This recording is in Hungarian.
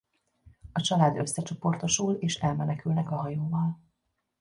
A család összecsoportosul és elmenekülnek a hajóval.